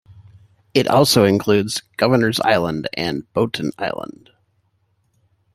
It also includes Governors Island and Boughton Island.